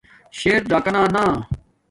شیر راکانا نا